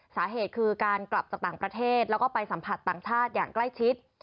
สาเหตุคือการกลับจากต่างประเทศแล้วก็ไปสัมผัสต่างชาติอย่างใกล้ชิด